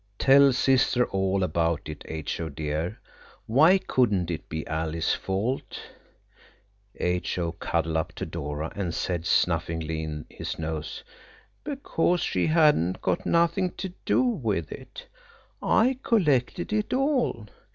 "Tell sister all about it, H.O. dear. Why couldn't it be Alice's fault?" H.O. cuddled up to Dora and said snufflingly in his nose– "Because she hadn't got nothing to do with it. I collected it all.